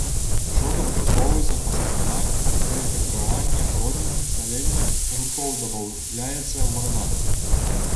Шырока выкарыстоўваецца пастарнак пры кансерваванні агародніны, саленні агуркоў, дабаўляецца ў марынады.